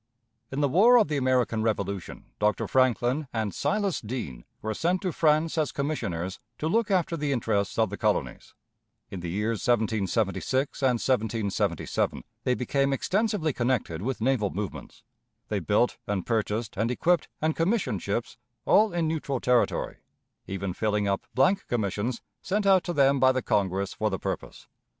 In the War of the American Revolution, Dr. Franklin and Silas Deane were sent to France as commissioners to look after the interests of the colonies. In the years 1776 and 1777 they became extensively connected with naval movements. They built, and purchased, and equipped, and commissioned ships, all in neutral territory; even filling up blank commissions sent out to them by the Congress for the purpose.